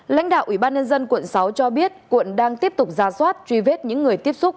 lãnh đạo ủy ban nhân dân quận sáu cho biết quận đang tiếp tục ra soát truy vết những người tiếp xúc